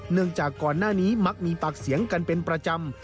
จากก่อนหน้านี้มักมีปากเสียงกันเป็นประจำ